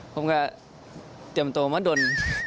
ผมก็เพราะว่าโดน